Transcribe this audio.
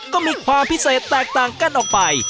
ก็มีความพิเศษแตกต่างกันออกไป